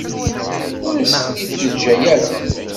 Ur as-ten-id-teǧǧa ara.